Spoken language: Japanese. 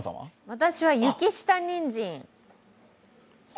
私は雪下にんじん。